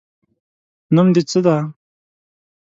نوم دې څه ده؟